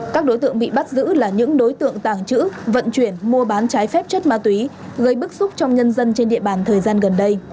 các đối tượng bị bắt giữ là những đối tượng tàng trữ vận chuyển mua bán trái phép chất ma túy gây bức xúc trong nhân dân trên địa bàn thời gian gần đây